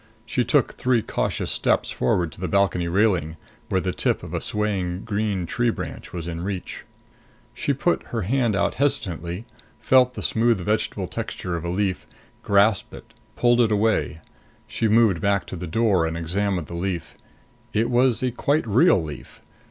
She took three cautious steps forward to the balcony railing, where the tip of a swaying green tree branch was in reach. She put her hand out hesitantly, felt the smooth vegetable texture of a leaf, grasped it, pulled it away. She moved back to the door and examined the leaf. It was a quite real leaf.